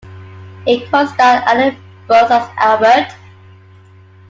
It co-starred Alan Bunce as Albert.